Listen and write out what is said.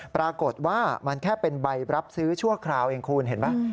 ปรากฏว่ามันแค่เป็นใบรับซื้อชั่วคราวเองคุณเห็นไหม